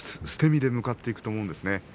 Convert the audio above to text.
捨て身で向かっていくと思うんです。